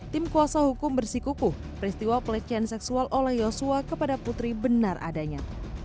tim kuasa hukum bersikukuh peristiwa pelecehan seksual oleh yosua kepada putri benar adanya